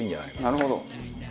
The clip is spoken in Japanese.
なるほど。